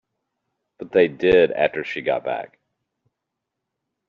But they did after she got back.